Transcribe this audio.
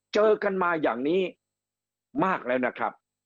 เจอกันมาอย่างนี้มากแล้วนะครับ